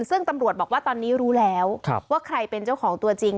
ซึ่งตำรวจบอกว่าตอนนี้รู้แล้วว่าใครเป็นเจ้าของตัวจริง